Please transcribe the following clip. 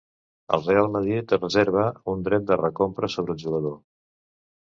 El Real Madrid es reserva un dret de recompra sobre el jugador.